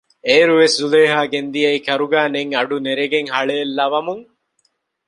އޭރުވެސް ޒުލޭހާ ގެންދިއައީ ކަރުގައި ނެތް އަޑު ނެރެގެން ހަޅޭއްލަވަމުން